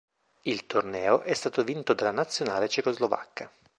Il torneo è stato vinto dalla nazionale cecoslovacca.